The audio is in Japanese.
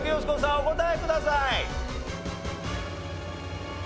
お答えください。